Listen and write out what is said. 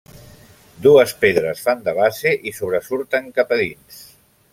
Dues pedres fan de base i sobresurten cap a dins.